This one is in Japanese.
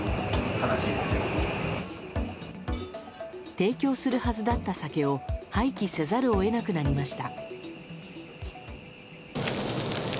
提供するはずだった酒を廃棄せざるを得なくなりました。